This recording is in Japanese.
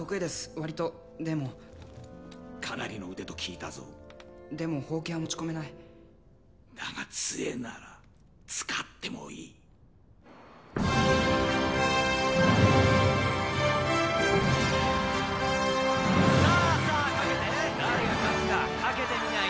割とでもかなりの腕と聞いたぞでもほうきは持ち込めないだが杖なら使ってもいいさあさあ賭けて誰が勝つか賭けてみない？